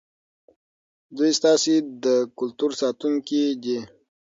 دوی ستاسې د کلتور ساتونکي دي.